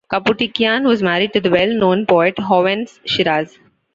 Kaputikyan was married to the well-known poet Hovhannes Shiraz.